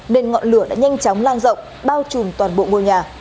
nên ngọn lửa đã nhanh chóng lan rộng bao trùm toàn bộ ngôi nhà